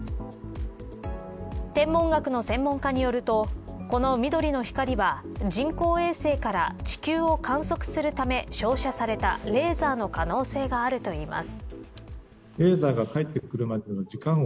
天文学の専門家によるとこの緑の光は人工衛星から地球を観測するため照射されたレーザーの可能性があるといいます。